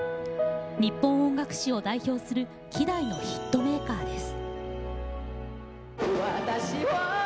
日本音楽史を代表する希代のヒットメーカーです。